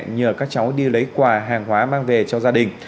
nhờ các cháu đi lấy quà hàng hóa mang về cho gia đình